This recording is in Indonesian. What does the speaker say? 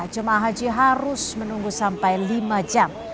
jemaah haji harus menunggu sampai lima jam